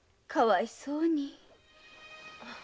かわいそうに。